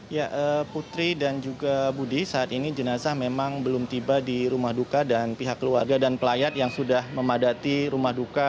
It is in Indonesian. ya putri dan juga budi saat ini jenazah memang belum tiba di rumah duka dan pihak keluarga dan pelayat yang sudah memadati rumah duka